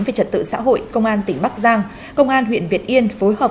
về trật tự xã hội công an tỉnh bắc giang công an huyện việt yên phối hợp